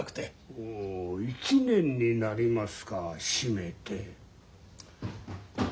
もう一年になりますか閉めて。